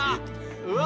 うわ！